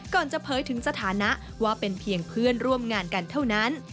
จะเผยถึงสถานะว่าเป็นเพียงเพื่อนร่วมงานกันเท่านั้น